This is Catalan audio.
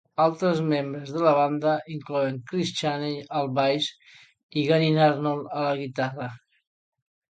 Altres membres de la banda inclouen Chris Chaney al baix i Gannin Arnold a la guitarra.